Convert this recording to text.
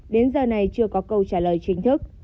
đến giờ này chưa có câu trả lời chính thức